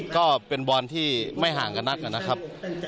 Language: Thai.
ก็เป็นบอลที่ไม่ห่างกับนักนะครับ